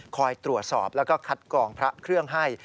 คอยตรวจสอบแล้วก็คัดกรองพระเครื่องให้